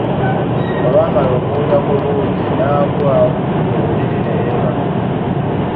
Olwamala okuwuuta ku buugi, n'aggwa ku buliriri ne yeebaka.